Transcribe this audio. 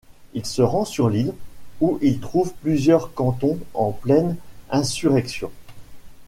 Il se rend sur l'île, où il trouve plusieurs cantons en pleine insurrection.